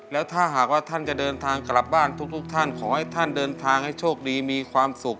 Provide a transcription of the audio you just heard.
แล้วถ้าหากว่าท่านจะเดินทางกลับบ้านทุกท่านขอให้ท่านเดินทางให้โชคดีมีความสุข